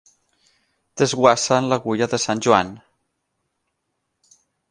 Desguassa en l'Agulla de Sant Joan.